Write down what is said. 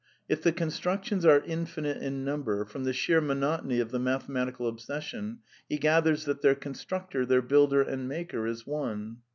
'^ If the construc tions are infinite in number, from the sheer monotony of the mathematical obsession, he gathers that their con structor, their builder and maker is one.